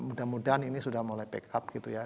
mudah mudahan ini sudah mulai back up gitu ya